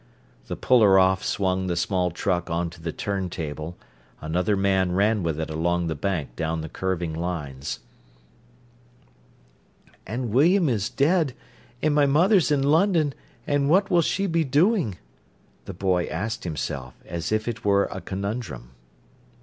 The puller off swung the small truck on to the turn table, another man ran with it along the bank down the curving lines. "And William is dead, and my mother's in London, and what will she be doing?" the boy asked himself, as if it were a conundrum.